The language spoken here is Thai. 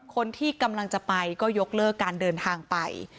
คนที่กำลังจะไปก็ยกเลิกการเดินทางไป